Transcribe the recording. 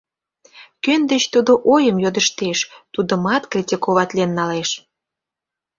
— Кӧн деч тудо ойым йодыштеш, тудымат критиковатлен налеш.